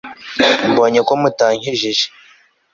mbonye ko mutankijije